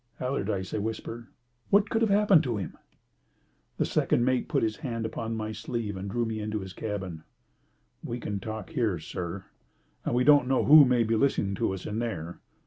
"Allardyce," I whispered, "what could have happened to him?" The second mate put his hand upon my sleeve and drew me into his cabin. "We can talk here, sir, and we don't know who may be listening to us in there.